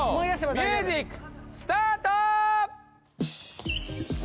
ミュージックスタート！